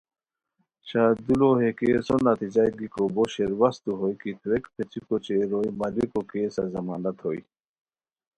شاہ دولہ ہے کیسو نتیجہ گیکو بو شیروشتو ہوئے کی تھویک پیڅھیکو اوچے روئے ماریکو کیسہ ضمانت ہوئے